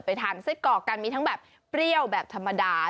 ทานไส้กรอกกันมีทั้งแบบเปรี้ยวแบบธรรมดา